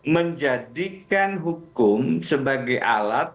menjadikan hukum sebagai alat